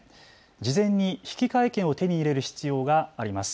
事前に引換券を手に入れる必要があります。